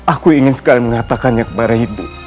aku ingin sekali mengatakannya kepada ibu